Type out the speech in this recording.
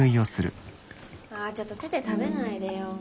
あちょっと手で食べないでよ。